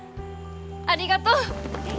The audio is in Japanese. ありがとう！